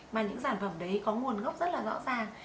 mà những sản phẩm đấy có nguồn gốc rất là rõ ràng